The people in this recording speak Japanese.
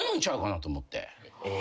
え。